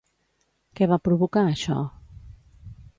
Què va provocar això?